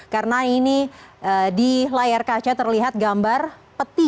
karena ini di layar kaca terlihat gambar peti